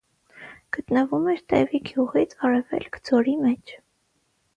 Գտնվում էր Տևի գյուղից արևելք, ձորի մեջ։